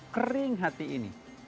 kering hati ini